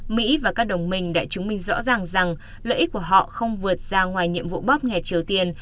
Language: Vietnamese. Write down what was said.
mỹ và các đồng minh đã chứng minh rõ ràng rằng lợi ích của họ không vượt ra ngoài nhiệm vụ bóp nghẹt triều tiên